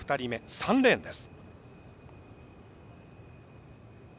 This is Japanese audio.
３レーンです。